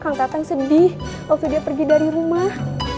kang tapeng sedih waktu dia pergi dari rumah